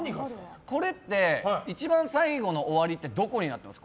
これって一番最後の終わりってどこですか？